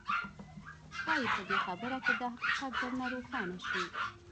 ښايي په دې خبره کې دا حقيقت درته روښانه شي.